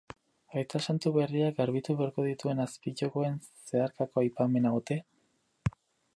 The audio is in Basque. Aita santu berriak garbitu beharko dituen azpijokoen zeharkako aipamena ote?